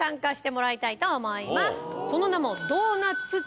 その名も。